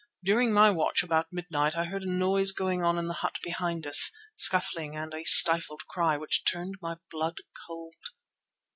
During my watch about midnight I heard a noise going on in the hut behind us; scuffling and a stifled cry which turned my blood cold.